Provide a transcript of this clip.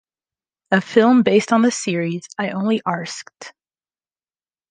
A film based on the series, I Only Arsked!